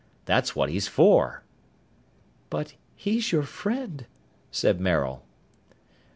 That's what he's for!" "But he's your friend!" said Maril.